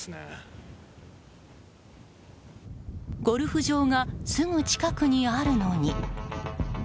ゴルフ場がすぐ近くにあるのに。